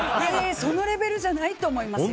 そのレベルじゃないと思いますよ。